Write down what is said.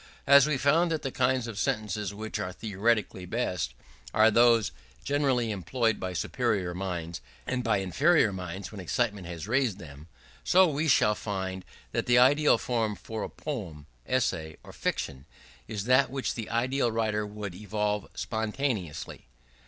As we found that the kinds of sentences which are theoretically best, are those generally employed by superior minds, and by inferior minds when excitement has raised them; so, we shall find that the ideal form for a poem, essay, or fiction, is that which the ideal writer would evolve spontaneously.